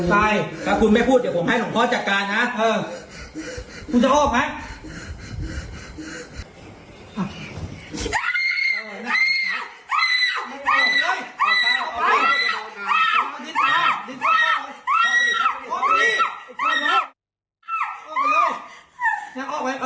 ใกล้ใกล้ถ้าคุณไม่พูดเดี๋ยวผมให้หน่วงพอร์ตจัดการนะคุณจะอ้อมไหม